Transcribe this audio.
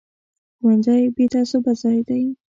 ښوونځی بې تعصبه ځای دی